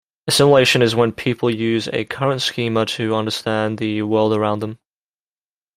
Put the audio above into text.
Assimilation is when people use a current schema to understand the world around them.